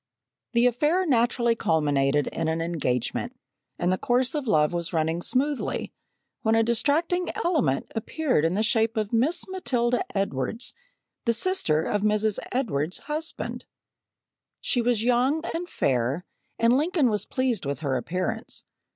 The affair naturally culminated in an engagement, and the course of love was running smoothly, when a distracting element appeared in the shape of Miss Matilda Edwards, the sister of Mrs. Edwards's husband. She was young and fair, and Lincoln was pleased with her appearance.